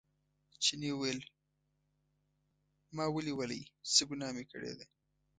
چیني وویل ما ولې ولئ څه ګناه مې کړې ده.